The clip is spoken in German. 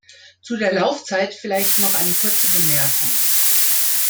Zu der Laufzeit vielleicht noch eine kurze Bemerkung.